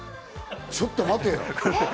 ちょっと待てよ！